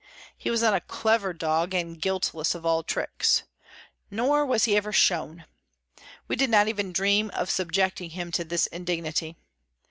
He was not a "clever" dog; and guiltless of all tricks. Nor was he ever "shown." We did not even dream of subjecting him to this indignity.